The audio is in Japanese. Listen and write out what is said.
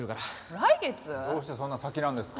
来月？どうしてそんな先なんですか？